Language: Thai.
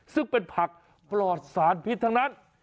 ซึ่งเป็นผักปลอดสารพิษทั้งนั้น